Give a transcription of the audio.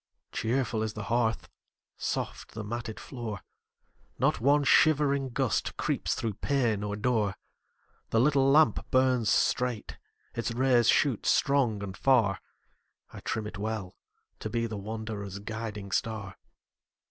Cheerful is the hearth, soft the matted floor; Not one shivering gust creeps through pane or door; The little lamp burns straight, its rays shoot strong and far: I trim it well, to be the wanderer's guiding star.